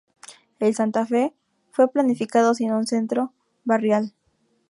El Santa Fe fue planificado sin un centro barrial.